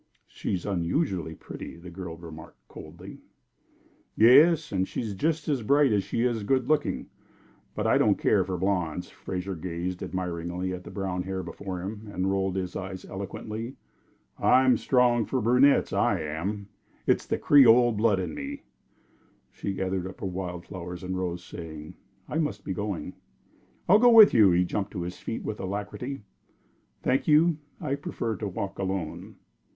"She's unusually pretty," the girl remarked, coldly. "Yes, and she's just as bright as she is good looking but I don't care for blondes." Fraser gazed admiringly at the brown hair before him, and rolled his eyes eloquently. "I'm strong for brunettes, I am. It's the Creole blood in me." She gathered up her wild flowers and rose, saying: "I must be going." "I'll go with you." He jumped to his feet with alacrity. "Thank you. I prefer to walk alone."